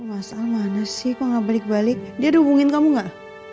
masalahnya sih kok nggak balik balik dia hubungin kamu enggak